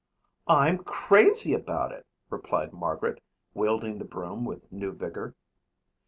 "I'm crazy about it," replied Margaret, wielding the broom with new vigor.